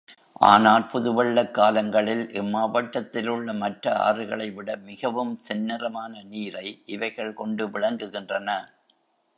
ஆனால் புது வெள்ளக் காலங்களில், இம் மாவட்டத்திலுள்ள மற்ற ஆறுகளைவிட மிகவும் செந்நிறமான நீரை, இவைகள் கொண்டு விளங்குகின்றன.